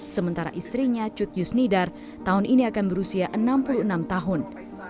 sementara istrinya cut yusnidar tahun ini akan berusia enam puluh enam tahun